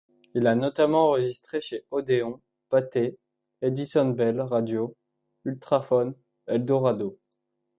Il a notamment enregistré chez Odéon, Pathé, Edison Bell Radio, Ultraphone, Eldorado.